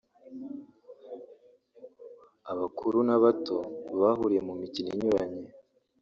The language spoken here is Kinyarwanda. abakuru n’abato bahuriye mu mikino inyuranye